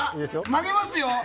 曲げますよ。